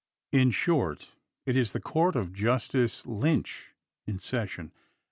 In short it is the court of "Justice Lynch" in session.